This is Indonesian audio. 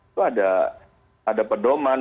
itu ada ada pedoman